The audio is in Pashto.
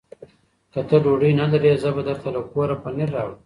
که ته ډوډۍ نه لرې، زه به درته له کوره پنېر راوړم.